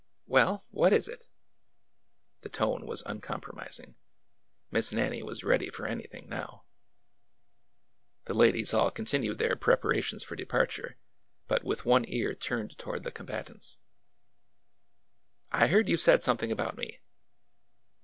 ^'Well? What is it?" The tone was uncompromising. Miss Nannie was ready for anything now. A WORKING HIVE 183 The ladies all continued their preparations for depar ture, but with one ear turned toward the combatants. '' I heard you said something about me."